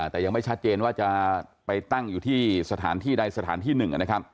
แต่ยังไม่ชัดเจนว่าการไปตั้งอยู่ในสถานที่หนึ่ง